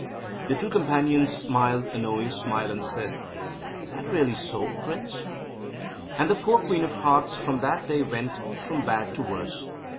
The two Companions smiled a knowing smile, and said: "Is that really so, Prince?" And the poor Queen of Hearts from that day went from bad to worse.